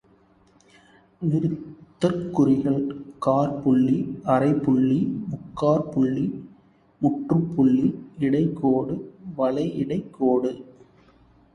நிறுத்தற்குறிகள்: காற்புள்ளி, அரைப்புள்ளி, முக்காற்புள்ளி, முற்றுப்புள்ளி, இடைக்கோடு, வளைஇடைக்கோடு.